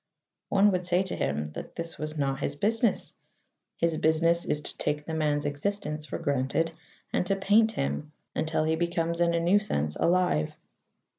One would say to him that that was not his business: his business is to take the man's existence for granted, and to paint him until he becomes in a new sense alive.